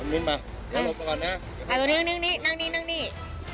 นั่งนี่นั่งนี่นั่งนี่